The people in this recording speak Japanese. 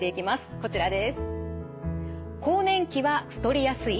こちらです。